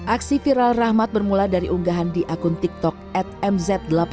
aksi viral rahmat bermula dari unggahan di akun tiktok at mz delapan puluh dua